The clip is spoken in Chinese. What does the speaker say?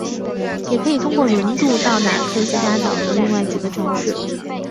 也可以通过轮渡到达科西嘉岛的另外几个城市。